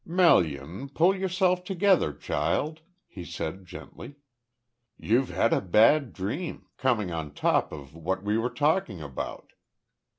"Melian, pull yourself together child," he said gently. "You've had a bad dream, coming on top of what we were talking about."